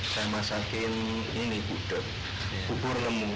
saya masakin ini nih gudeg bubur lemu